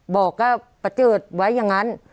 บอกว่าประเจิดไว้อย่างนั้น